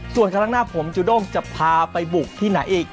ส่วนครั้งหน้าผมจูด้งจะพาไปบุกที่ไหนอีก